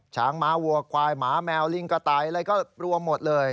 ช้างม้าวัวควายหมาแมวลิงกระต่ายอะไรก็รวมหมดเลย